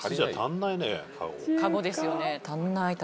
カゴですよね。